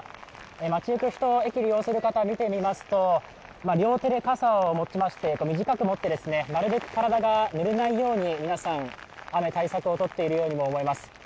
街行く人、駅を利用する方を見ていますと、両手で傘を短く持ってなるべく体がぬれないように、皆さん、雨、対策をとっているようにも見えます。